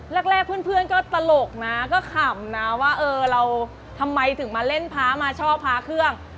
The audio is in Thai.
แรกเพื่อนก็ตลกนะก็ขำนะว่าเออเราทำไมถึงมาเล่นพระมาชอบพระเครื่อง